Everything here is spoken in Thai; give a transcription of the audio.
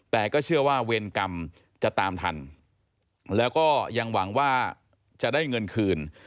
แต่ก็เชื่อว่าเวรกรรมจะตามทันแล้วก็ยังหวังว่าจะได้เงินคืน